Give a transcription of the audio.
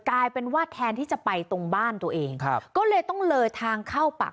กลายเป็นว่าแทนที่จะไปตรงบ้านตัวเองครับก็เลยต้องเลยทางเข้าปาก